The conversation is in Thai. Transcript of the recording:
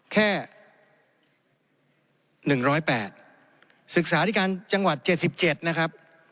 แค่หนึ่งร้อยแปดศึกษาธิการจังหวัดเจ็ดสิบเจ็ดนะครับ